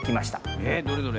えっどれどれ？